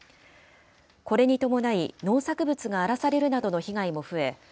これに伴い、農作物が荒らされるなどの被害も増え、